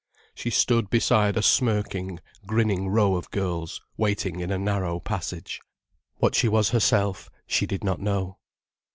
She stood beside a smirking, grinning row of girls, waiting in a narrow passage. What she was herself she did not know.